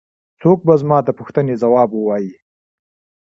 څوک به زما د پوښتنې ځواب ووايي.